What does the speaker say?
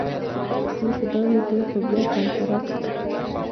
تل که دا وي د خوبيه طمطراق ستا